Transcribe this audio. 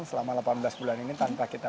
selama delapan belas bulan ini tanpa kita